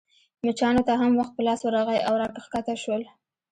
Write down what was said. مچانو ته هم وخت په لاس ورغلی او راکښته شول.